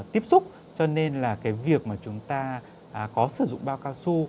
tiếp xúc cho nên là việc chúng ta có sử dụng bao cao su